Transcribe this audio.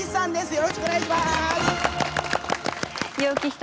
よろしくお願いします。